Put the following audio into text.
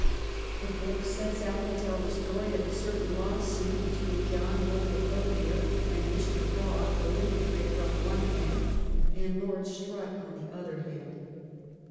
The book sets out to tell the story of a certain lawsuit between John Bull, the clothier, and Mr. Frog, the linen draper, on the one hand, and Lord Strutt on the other hand.